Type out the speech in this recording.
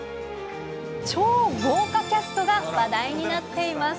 超豪華キャストが話題になってい